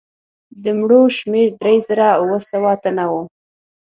د مړو شمېر درې زره اووه سوه تنه وو.